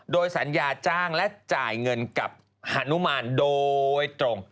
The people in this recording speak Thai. โดยสัญญาจ้างและจ่ายเงินกับฮานุมานโดยตรง